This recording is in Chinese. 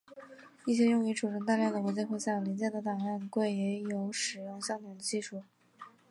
一些用于储存大量的文件或小零件的档案柜也有使用相同的技术。